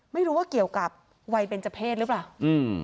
ไม่รู้ว่าเกี่ยวกับวัยเบนเจอร์เพศหรือเปล่าอืม